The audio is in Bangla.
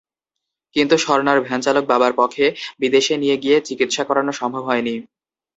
কিন্তু স্বর্ণার ভ্যানচালক বাবার পক্ষে বিদেশে নিয়ে গিয়ে চিকিৎসা করানো সম্ভব হয়নি।